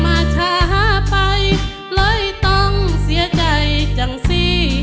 มาช้าไปเลยต้องเสียใจจังสิ